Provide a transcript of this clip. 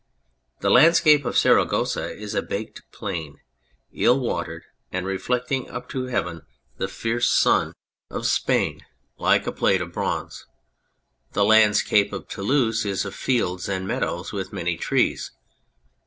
The landscape of Saragossa is a baked plain, ill watered and reflecting up to heaven the fierce sun of 267 On Anything Spain like a plate of bronze. The landscape of Tou louse is of fields and meadows with many trees.